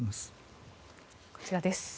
こちらです。